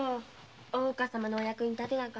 大岡様のお役に立てなくて。